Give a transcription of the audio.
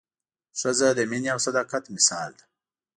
ښځه د مینې او صداقت مثال ده.